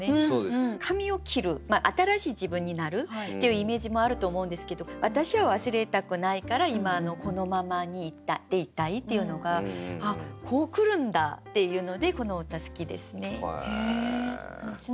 髪を切る新しい自分になるっていうイメージもあると思うんですけど私は忘れたくないから今のこのままでいたいっていうのがこう来るんだっていうのでこの歌好きですね。